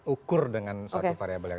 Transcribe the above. ukur dengan suatu variable